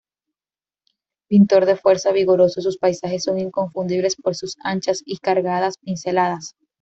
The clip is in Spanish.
Pintor de fuerza, vigoroso, sus paisajes son inconfundibles por sus anchas y cargadas pinceladas.